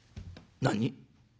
「何？